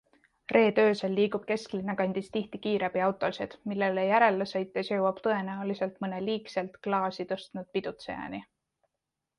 Reede öösel liigub kesklinna kandis tihti kiirabiautosid, millele järele sõites jõuab tõenäoliselt mõne liigselt klaasi tõstnud pidutsejani.